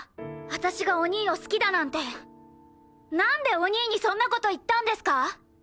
私がお兄を好きだなんてなんでお兄にそんな事言ったんですか！？